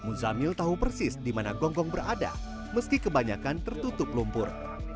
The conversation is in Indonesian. muzamil tahu persis di mana gonggong berada meski kebanyakan tertutup lumpur